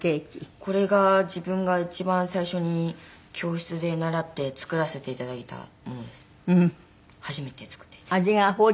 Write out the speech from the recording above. これが自分が一番最初に教室で習って作らせて頂いたものです。